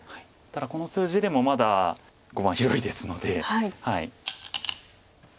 ただこの数字でもまだ碁盤広いですので。